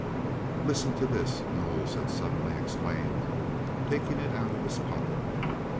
"Listen to this," Knowles had suddenly exclaimed, taking it out of his pocket.